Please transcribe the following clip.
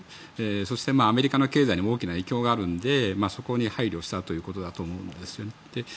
そして、アメリカの経済にも大きな影響があるのでそこに配慮したということだと思うんですね。